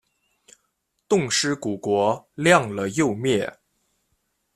冻尸骨国亮了又灭。